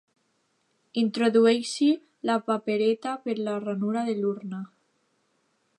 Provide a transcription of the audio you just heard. Introdueixi la papereta per la ranura de l'urna.